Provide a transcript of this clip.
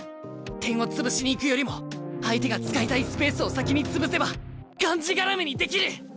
点を潰しに行くよりも相手が使いたいスペースを先に潰せばがんじがらめにできる！